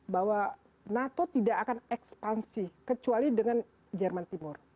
bahwa nato tidak akan ekspansi kecuali dengan jerman timur